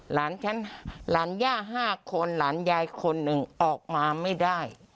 หลานฉันหลานย่า๕คนหลานยายคนหนึ่งออกมาไม่ได้